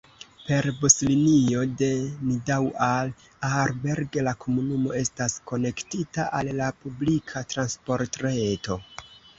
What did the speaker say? Per buslinio de Nidau al Aarberg la komunumo estas konektita al la publika transportreto.